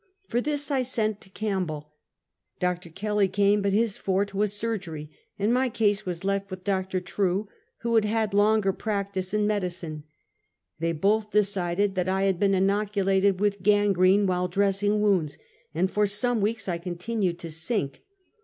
For this I sent to Campbell. Dr. Kelly came, but his forte was surgery, and my case was left with Dr. True, who had had longer practice in medi cine. They both decided that I had been inoculated with gangrene while dressing wounds, and for some weeks I continued to sink.